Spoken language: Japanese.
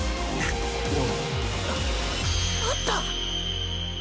あった！